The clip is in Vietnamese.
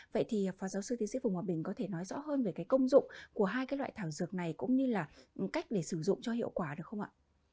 vậy thì phó giáo sư tiến sĩ phùng hòa bình có thể nói rõ hơn về cái công dụng của hai cái loại thảo dược này cũng như là cách để sử dụng cho hiệu quả được không ạ